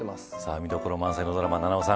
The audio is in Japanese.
見どころ満載のドラマ菜々緒さん